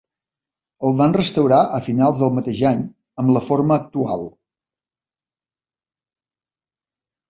El van restaurar a finals del mateix any amb la forma actual.